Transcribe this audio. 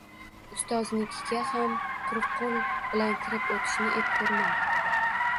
Ustozinikiga ham quruq qo‘l bilan kirib o‘tishni ep ko‘rmadi.